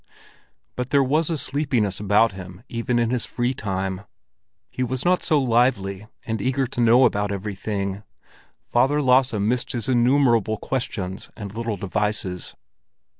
But there was a sleepiness about him even in his free time; he was not so lively and eager to know about everything; Father Lasse missed his innumerable questions and little devices.